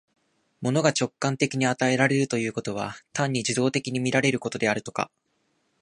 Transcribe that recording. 物が直観的に与えられるということは、単に受働的に見られることであるとか、